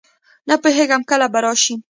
نه پوهېږم کله به راشي.